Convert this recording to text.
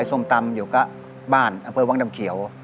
ขอให้สมตำอยู่กับบ้านอเวิร์ดวังดำเขียว